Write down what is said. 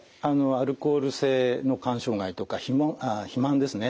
アルコール性の肝障害とか肥満ですね